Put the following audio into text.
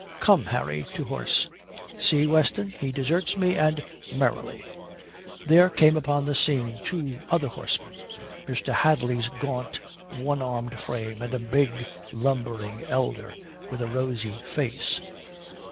Come, Harry, to horse." "See, Weston, he deserts me, and merrily!" There came upon the scene two other horsemen Mr. Hadley's gaunt, one armed frame and a big, lumbering elder with a rosy face.